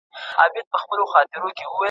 ساینس پوهانو د ماهيانو د ژوند په اړه وویل.